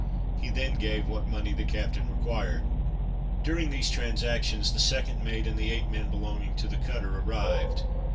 He then gave what money the captain required. During these transactions, the second mate and the eight men belonging to the cutter arrived.